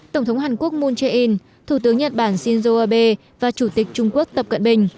tổng thống hàn quốc moon jae in thủ tướng nhật bản shinzo abe và chủ tịch trung quốc tập cận bình